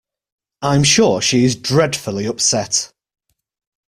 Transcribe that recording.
I'm sure she is dreadfully upset.